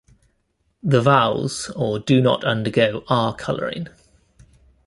The vowels or do not undergo R-coloring.